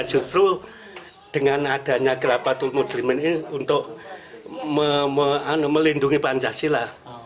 justru dengan adanya gelapatul muslimin ini untuk melindungi pancasila